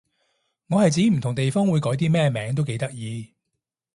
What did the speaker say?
我係指唔同地方會改啲咩名都幾得意